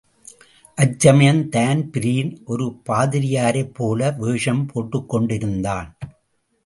அச்சமயம் தான்பிரீன் ஒரு பாதிரியாரைப் போல வேஷம் போட்டுக்கொண்டிருந்தான்.